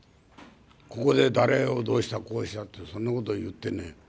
ここで誰をどうしたこうしたってそんなことを言ってね